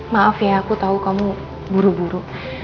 maaf ya aku tahu kamu buru buru